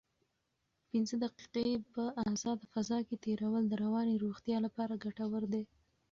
پنځه دقیقې په ازاده فضا کې تېرول د رواني روغتیا لپاره ګټور دي.